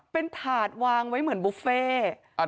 เป็นถาดวางไว้เหมือนบุฟเฟ่